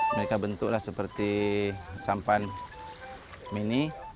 mereka bentuklah seperti sampan mini